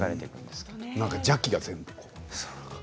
邪気が全部。